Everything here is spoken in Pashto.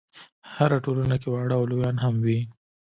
هره ټولنه کې واړه او لویان هم وي.